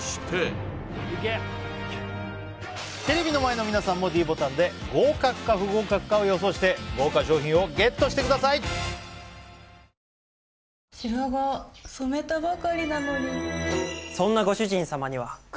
テレビの前の皆さんもｄボタンで合格か不合格かを予想して豪華賞品をＧＥＴしてください果たしてスシロー３連敗は阻止できるか？